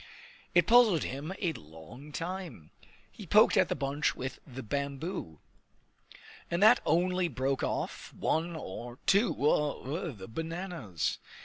It puzzled him a long time. He poked at the bunch with the bamboo, but that only broke off one or two of the bananas.